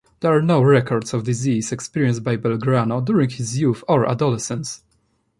There are no records of diseases experienced by Belgrano during his youth or adolescence.